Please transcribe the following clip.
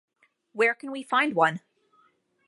Where can we find one?